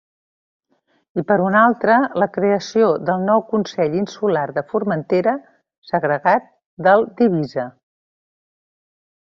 I per un altre, la creació del nou Consell Insular de Formentera, segregat del d'Eivissa.